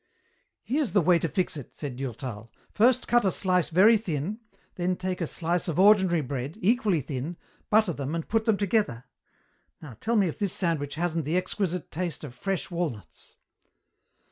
"Here's the way to fix it," said Durtal. "First cut a slice very thin, then take a slice of ordinary bread, equally thin, butter them and put them together. Now tell me if this sandwich hasn't the exquisite taste of fresh walnuts."